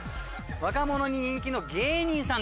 若者に人気の芸人さんです。